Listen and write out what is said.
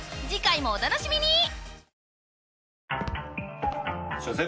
次回もお楽しみに！